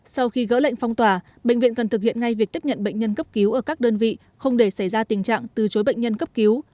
sau khi gỡ lệnh phong tỏa bệnh viện cần thực hiện ngay việc tiếp nhận bệnh nhân cấp cứu ở các đơn vị không để xảy ra tình trạng từ chối bệnh nhân cấp cứu